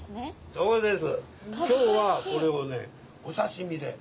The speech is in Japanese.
そうです。